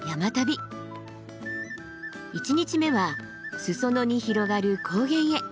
１日目は裾野に広がる高原へ。